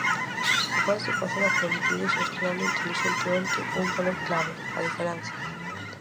E pódese facer a plenitude xestionando intelixentemente un valor clave, a diferenza.